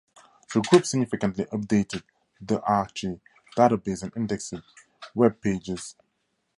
The group significantly updated the archie database and indexed web-pages.